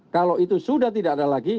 kalau itu sudah tidak ada lagi